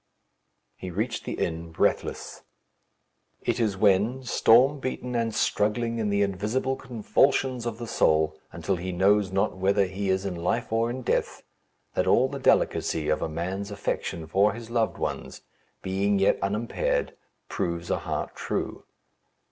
He reached the inn, breathless. It is when, storm beaten and struggling in the invisible convulsions of the soul until he knows not whether he is in life or in death, that all the delicacy of a man's affection for his loved ones, being yet unimpaired, proves a heart true.